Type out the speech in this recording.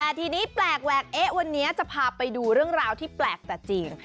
แต่ทีนี้แปลกแวกเอ๊ะวันนี้จะพาไปดูเรื่องราวที่แปลกแต่จริง